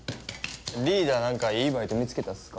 リーダーはなんかいいバイト見つけたっすか？